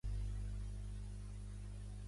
Em dic Alma Arribas: a, erra, erra, i, be, a, essa.